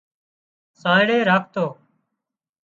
سانئڙِي راکتو